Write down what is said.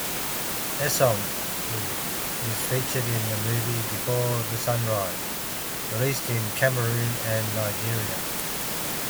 Essome is featured in the movie "Before the Sunrise", released in Cameroon and Nigeria.